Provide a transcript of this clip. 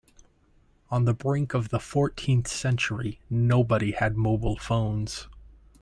On the brink of the fourteenth century, nobody had mobile phones.